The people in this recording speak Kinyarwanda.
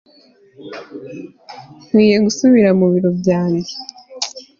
nkwiye gusubira mu biro byanjye